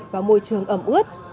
và môi trường ẩm ướt